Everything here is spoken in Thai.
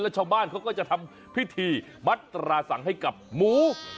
และชาวบ้านเขาก็จะทำพิธีบัชฌาสนักษมนต์ให้กับหมู